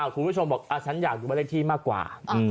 คุณผู้ชมบอกฉันอยากดูบ้านเลขที่มากกว่า